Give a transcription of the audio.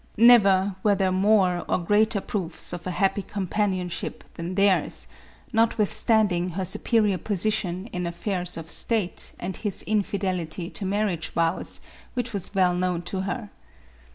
Never were there more or greater proofs of a happy companionship than theirs, not withstanding her superior position in affairs of state and his infidelity to marriage vows, which was well known to her.